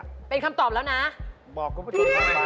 นี่เป็นคำถามข้อที่สองของพี่